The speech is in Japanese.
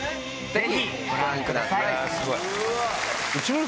ぜひご覧ください。